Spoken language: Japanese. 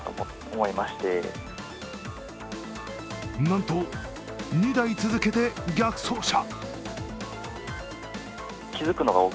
なんと２台続けて逆走車。